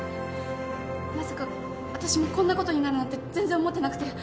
まさかあたしもこんなことになるなんて全然思ってなくて。